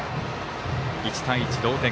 １対１同点。